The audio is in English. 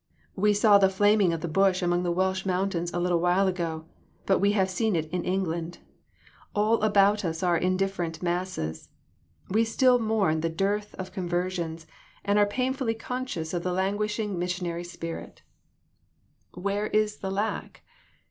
We saw the flaming of the bush among the Welsh mountains a little while ago, but we have seen it in England. All about us are indifferent masses. We still mourn the dearth of conversions, and are painfully con scious of the languishing missionary spirit. PEELIMINAEY 13 Where is the lack?